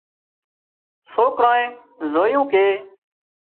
سوڪرانئي زويُون ڪي